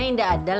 indah ada lah